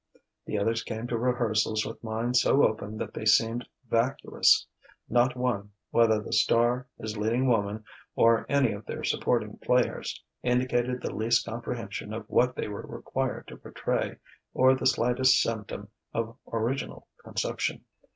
The others came to rehearsals with minds so open that they seemed vacuous; not one, whether the star, his leading woman, or any of their supporting players, indicated the least comprehension of what they were required to portray or the slightest symptom of original conception.